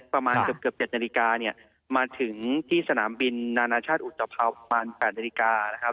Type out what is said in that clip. ประมาณเกือบ๗นาฬิกาเนี่ยมาถึงที่สนามบินนานาชาติอุตภัวประมาณ๘นาฬิกานะครับ